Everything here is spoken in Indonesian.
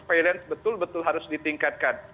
violence betul betul harus ditingkatkan